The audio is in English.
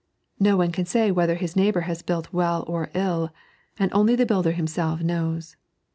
Ko one can say whether his neighbour haa built well or ill ; and only the builder himself knows.